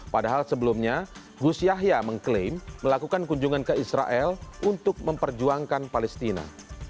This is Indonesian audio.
padahal sebelumnya gus yahya mengklaim melakukan kunjungan ke israel untuk memperjuangkan palestina